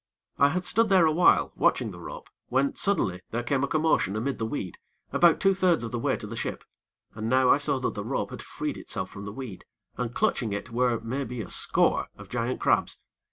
I had stood there awhile, watching the rope, when, suddenly, there came a commotion amid the weed, about two thirds of the way to the ship, and now I saw that the rope had freed itself from the weed, and clutching it, were, maybe, a score of giant crabs.